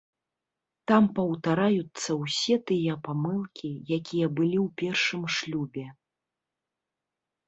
Там паўтараюцца ўсе тыя памылкі, якія былі ў першым шлюбе.